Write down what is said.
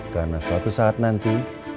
karena suatu saat nanti